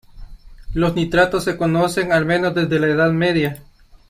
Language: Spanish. Los nitratos se conocen al menos desde la Edad Media.